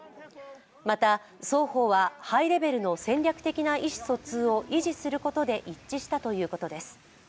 また、双方はハイレベルの戦略的な意思疎通を維持することで一致したということです。